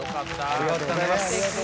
ありがとうございます。